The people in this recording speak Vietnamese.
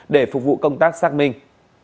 để phục vụ công tác xác minh